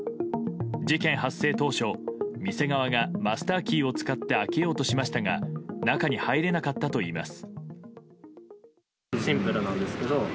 事件発生当初店側がマスターキーを使って開けようとしましたが中に入れなかったといいます。